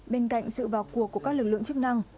bên cạnh sự vào cuộc của các lực lượng chức năng